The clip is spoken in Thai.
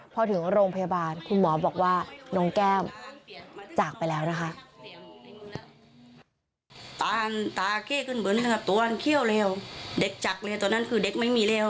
พอถึงโรงพยาบาลคุณหมอบอกว่าน้องแก้มจากไปแล้วนะคะ